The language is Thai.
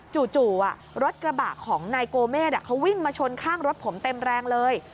จู่รถกระบะของนายโกเมฆเขาวิ่งมาชนข้างรถผมเต็มแรงเลย